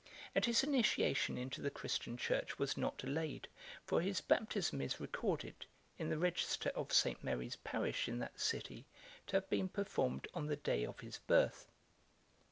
1709; and his initiation into the Christian Church was not delayed; for his baptism is recorded, in the register of St. Mary's parish in that city, to have been performed on the day of his birth.